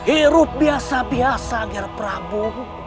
hirup biasa biasa prabu